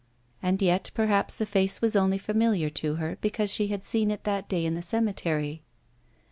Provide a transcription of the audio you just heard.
And yet perhaps the face was only familiar to her, because she had seen it that day in the cemetery.